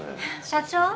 社長。